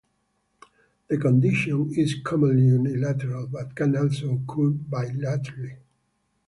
The condition is commonly unilateral but can also occur bilaterally.